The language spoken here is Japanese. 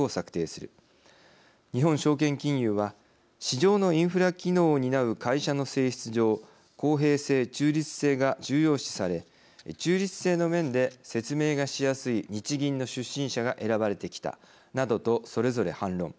日本証券金融は市場のインフラ機能を担う会社の性質上公平性中立性が重要視され中立性の面で説明がしやすい日銀の出身者が選ばれてきたなどとそれぞれ反論。